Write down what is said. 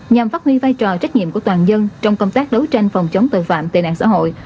nhằm phát huy vai trò trách nhiệm của toàn dân trong công tác đấu tranh phòng chống tội phạm tệ nạn xã hội